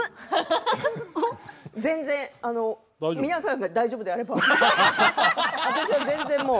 全然、皆さんが大丈夫であれば。